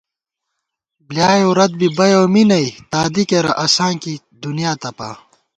بۡلیائېؤ رت بی بَیَؤ می نئ، تادی کېرہ اساں کی دنیا تپا